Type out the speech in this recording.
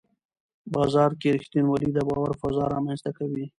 بازار کې رښتینولي د باور فضا رامنځته کوي